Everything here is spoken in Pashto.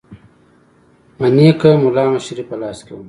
مانکي مُلا مشري په لاس کې وه.